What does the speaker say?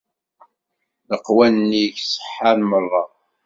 Leqwanen-ik ṣeḥḥan merra.